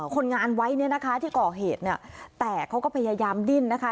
คนงานไว้เนี่ยนะคะที่ก่อเหตุเนี่ยแต่เขาก็พยายามดิ้นนะคะ